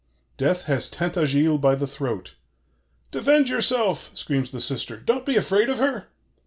Death has Tintagiles by the throat. 'Defend yourself!' screams the sister: 'don't be afraid of her!